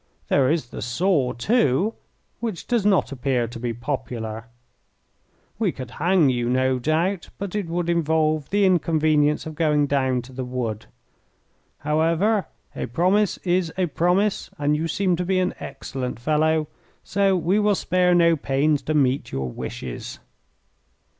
There is the saw, too, which does not appear to be popular. We could hang you, no doubt, but it would involve the inconvenience of going down to the wood. However, a promise is a promise, and you seem to be an excellent fellow, so we will spare no pains to meet your wishes."